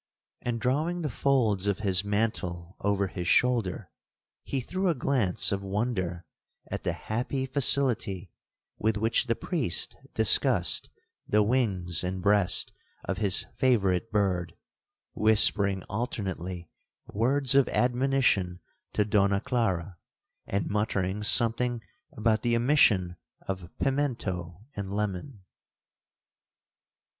And drawing the folds of his mantle over his shoulder, he threw a glance of wonder at the happy facility with which the priest discussed the wings and breast of his favourite bird,—whispering alternately words of admonition to Donna Clara, and muttering something about the omission of pimento and lemon.